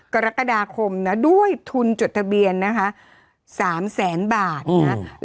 กรกฎาคมนะด้วยทุนจดทะเบียนนะคะ๓แสนบาทนะ